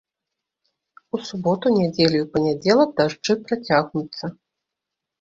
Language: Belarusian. У суботу, нядзелю і панядзелак дажджы працягнуцца.